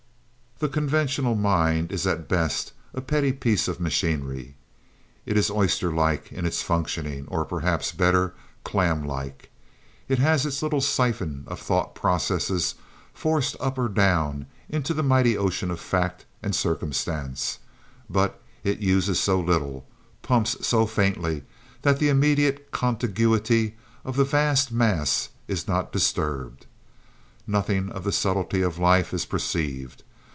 The conventional mind is at best a petty piece of machinery. It is oyster like in its functioning, or, perhaps better, clam like. It has its little siphon of thought processes forced up or down into the mighty ocean of fact and circumstance; but it uses so little, pumps so faintly, that the immediate contiguity of the vast mass is not disturbed. Nothing of the subtlety of life is perceived.